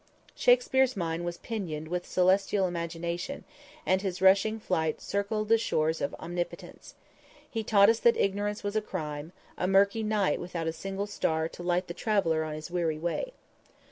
_ Shakspere's mind was pinioned with celestial imagination, and his rushing flight circled the shores of omnipotence. He taught us that ignorance was a crime, a murky night without a single star to light the traveler on his weary way.